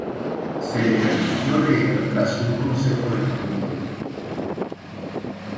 Se le permitió leer tras un consejo de familia.